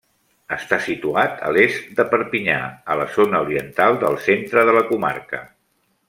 Està situat a l'est de Perpinyà, a la zona oriental del centre de la comarca.